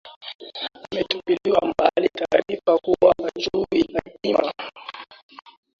ametupilia mbali taarifa kuwa hajui hatima